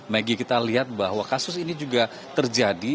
maggie kita lihat bahwa kasus ini juga terjadi